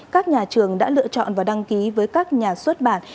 các nhà trường đã lựa chọn và đăng ký với các nhà xuất bản